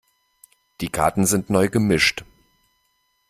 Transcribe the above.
Die Karten sind neu gemischt.